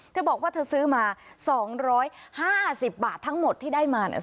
เขาบอกว่าเธอซื้อมาสองร้อยห้าสิบบาททั้งหมดที่ได้มาเนี้ย